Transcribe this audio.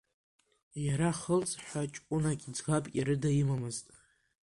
Иара хылҵ ҳәа ҷкәынаки ӡӷабки рыда имамызт.